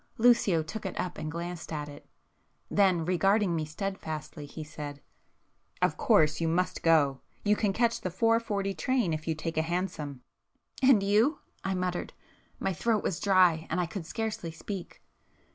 Lucio took it up and glanced at it. Then, regarding me stedfastly, he said— "Of course you must go. You can catch the four forty train if you take a hansom." "And you?" I muttered. My throat was dry and I could scarcely speak.